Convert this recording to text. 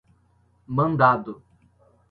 mandado